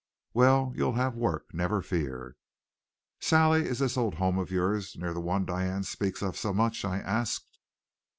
Well, you'll have work, never fear." "Sally, is this old home of yours near the one Diane speaks of so much?" I asked.